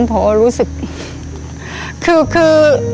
พอพอรู้สึกคือคือ